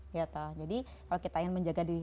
gitu jadi kalau kita ingin menjaga diri